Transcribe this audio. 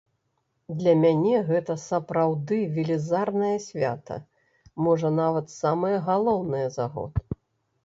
Для мяне гэта сапраўды велізарнае свята, можа нават самае галоўнае за год.